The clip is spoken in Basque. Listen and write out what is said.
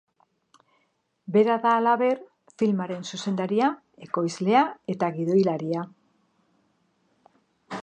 Bera da, halaber, filmaren zuzendaria, ekoizlea eta gidolaria.